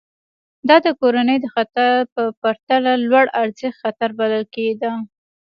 دا د کورنۍ د خطر په پرتله لوړارزښت خطر بلل کېده.